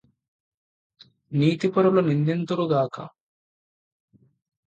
నీతిపరులు నిందింతురుగాక